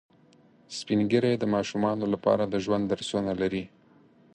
سپین ږیری د ماشومانو لپاره د ژوند درسونه لري